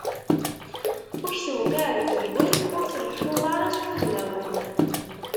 Ur k-d-tewqiɛ deg yiwen, ur tleḥḥuḍ ara s wudmawen.